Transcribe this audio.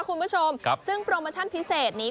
คุณผู้ชมครับซึ่งโปรโมชั่นพิเศษนี้